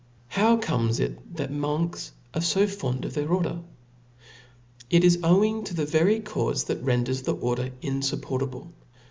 How comes it that monks are fo fond of their order ? it is owing to the very caufe that renders the order in fup portable.